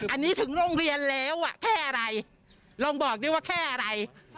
อันนี้ถึงโรงเรียนแล้วอ่ะแค่อะไรลองบอกดิว่าแค่อะไร